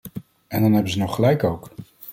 En dan hebben ze nog gelijk ook!